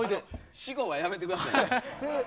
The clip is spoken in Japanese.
私語はやめてください。